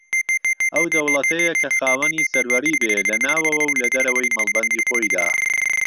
ئەو دەوڵەتەیە کە خاوەنی سەروەری بێ لە ناوەوە و لە دەرەوەی مەڵبەندی خۆیدا